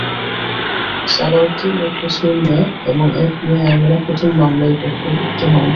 সালাউদ্দিন ও বছির মিয়া এবং এক মেয়ে আমেনা খাতুন মামলায় পক্ষভুক্ত হন।